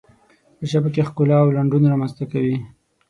په ژبه کې ښکلا او لنډون رامنځته کوي.